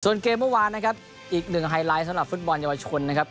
เกมเมื่อวานนะครับอีกหนึ่งไฮไลท์สำหรับฟุตบอลเยาวชนนะครับ